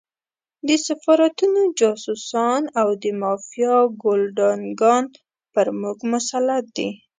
د سفارتونو جاسوسان او د مافیا ګُلډانګان پر موږ مسلط دي.